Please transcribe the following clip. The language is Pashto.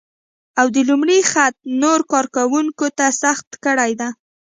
او د لومړي خط نورو کار کونکو ته سخته کړې ده